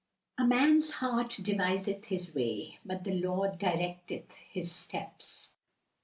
"A man's heart deviseth his way; but the Lord directeth his steps."